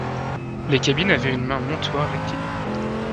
Les cabines avaient une main montoire rectiligne.